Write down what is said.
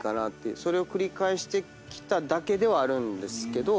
それを繰り返してきただけではあるんですけど。